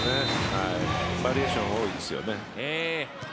バリエーション多いですね。